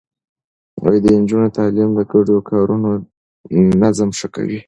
د نجونو تعليم د ګډو کارونو نظم ښه کوي.